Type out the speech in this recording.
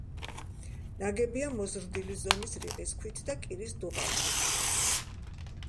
ნაგებია მოზრდილი ზომის რიყის ქვით და კირის დუღაბით.